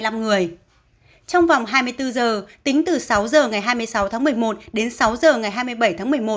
trong vòng hai mươi bốn giờ tính từ sáu h ngày hai mươi sáu tháng một mươi một đến sáu h ngày hai mươi bảy tháng một mươi một